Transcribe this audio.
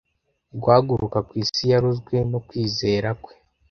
guhaguruka ku isi yarozwe no kwizera kwe